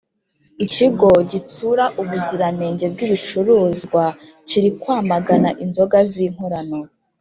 Ikigo gitsura ubuziranenge bwibicuruzwa kirikwamagana inzoga zinkorano